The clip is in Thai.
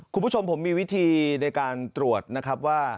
คุณผู้ชมผมมีวิธีในการตรวจนะครับว่า